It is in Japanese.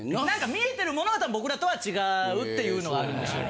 見えてるものが僕らとは違うっていうのはあるんでしょうね。